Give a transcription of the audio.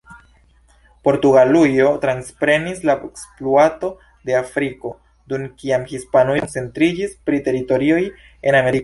Portugalujo transprenis la ekspluato de Afriko, dum kiam Hispanujo koncentriĝis pri teritorioj en Ameriko.